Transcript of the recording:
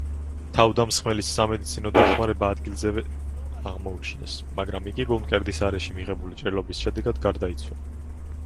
თავდამსხმელს სამედიცინო დახმარება ადგილზევე აღმოუჩინეს, მაგრამ იგი გულმკერდის არეში მიღებული ჭრილობის შედეგად გარდაიცვალა.